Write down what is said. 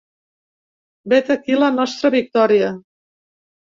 Vet aquí la nostra victòria.